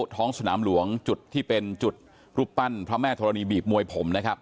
ท้องสนามหลวงจุดที่เป็นจุดรูปปั้นพระแม่ธรณีบีบมวยผมนะครับ